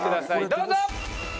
どうぞ！